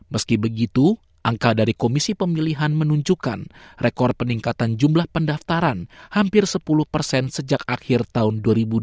meski begitu angka dari komisi pemilihan menunjukkan rekor peningkatan jumlah pendaftaran hampir sepuluh persen sejak akhir tahun dua ribu dua puluh